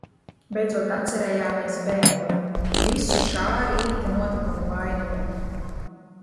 Beidzot atcerējāmies bēgli visu šā rīta notikuma vaininieku.